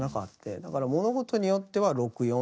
だから物事によっては６４とか９１。